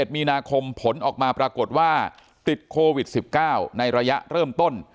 ๑มีนาคมผลออกมาปรากฏว่าติดโควิด๑๙ในระยะเริ่มต้น